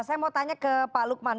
saya mau tanya ke pak lukman